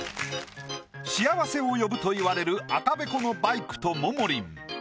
幸せを呼ぶといわれる赤べこのバイクとももりん。